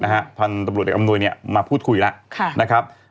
ทางทำรวจเดร็กอำนวยมาพูดคุยแล้ว